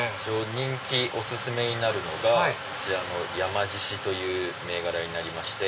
人気お薦めになるのがこちらの山猪という銘柄になりまして。